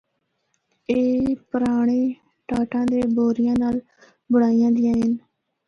اے پرانڑے ٹاٹاں تے بوریاں نال بنڑائیاں دیّاں ہن۔